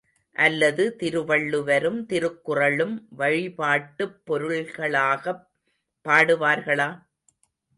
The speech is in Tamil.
அல்லது திருவள்ளுவரும் திருக்குறளும் வழிபாட்டுப் பொருள்களாக்கப் படுவார்களா?